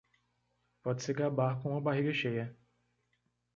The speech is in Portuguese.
Pode se gabar com uma barriga cheia.